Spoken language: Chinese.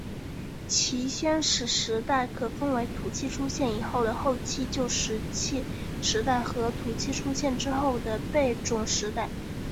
其先史时代可分为土器出现以前的后期旧石器时代和土器出现之后的贝冢时代。